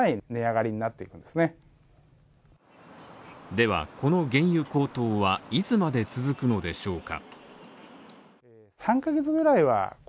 では、この原油高騰はいつまで続くのでしょうか？